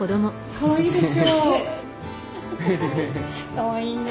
かわいいね。